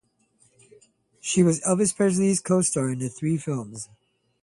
She was Elvis Presley's co-star in three films.